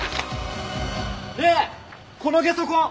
ねえこのゲソ痕